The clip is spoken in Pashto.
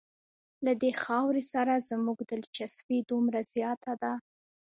له دې خاورې سره زموږ دلچسپي دومره زیاته ده.